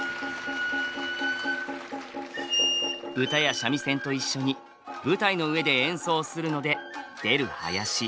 唄や三味線と一緒に舞台の上で演奏するので「出る囃子」